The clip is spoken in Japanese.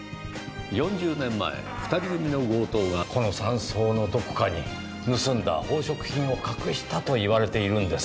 ４０年前、２人組の強盗がこの山荘のどこかに盗んだ宝飾品を隠したといわれているんです。